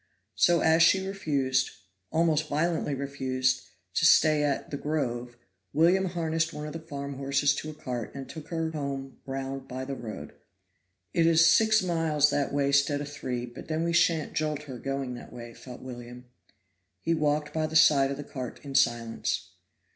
So as she refused almost violently refused to stay at "The Grove," William harnessed one of the farm horses to a cart and took her home round by the road. "It is six miles that way 'stead of three, but then we shan't jolt her going that way," thought William. He walked by the side of the cart in silence.